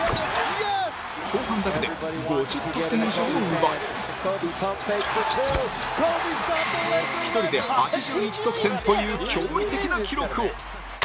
後半だけで５０得点以上を奪い１人で８１得点という驚異的な記録を